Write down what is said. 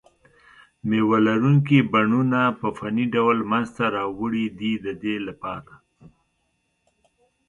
مېوه لرونکي بڼونه په فني ډول منځته راوړي دي د دې لپاره.